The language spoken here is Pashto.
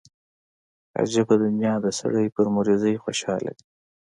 عجبه دنيا ده سړى پر مريضۍ خوشاله وي.